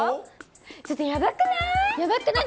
ちょっとやばくない？